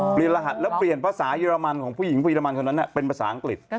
รหัสแล้วเปลี่ยนภาษาเยอรมันของผู้หญิงวีรมันคนนั้นเป็นภาษาอังกฤษ